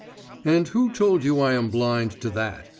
'And who told you I am blind to that?